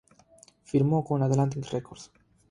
Firmó con Atlantic Records.